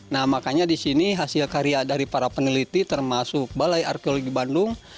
nah makanya di sini hasil karya dari para peneliti termasuk balai arkeologi bandung